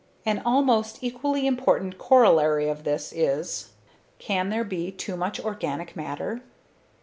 An almost equally important corollary of this is: Can there be too much organic matter?